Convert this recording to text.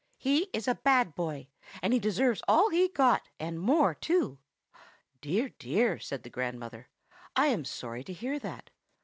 "He is a bad boy, and he deserves all he got, and more too." "Dear, dear!" said the grandmother. "I am sorry to hear that.